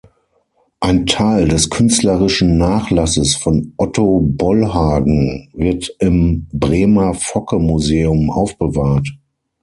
Ein Teil des künstlerischen Nachlasses von Otto Bollhagen wird im Bremer Focke-Museum aufbewahrt.